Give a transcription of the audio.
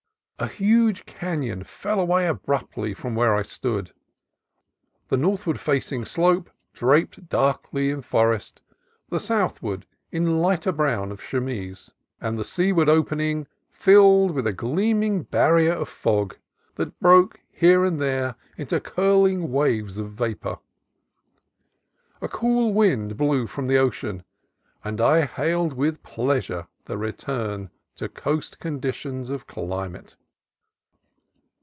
A huge canon fell away abruptly from where I stood, the northward facing slope draped darkly in forest, the southward in lighter brown of "chamise," and the seaward opening filled with a gleaming barrier of fog, that broke here and there into curling waves of vapor. A cool wind blew from the ocean, and I hailed with pleasure the return to coast conditions of climate.